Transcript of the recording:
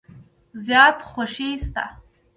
زیاته خوشي شته .